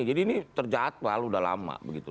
jadi ini terjatual sudah lama begitu